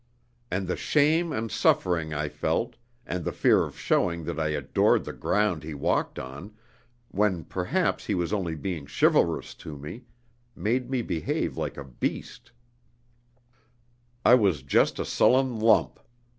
And the shame and suffering I felt, and the fear of showing that I adored the ground he walked on, when perhaps he was only being chivalrous to me, made me behave like a beast. I was just a sullen lump.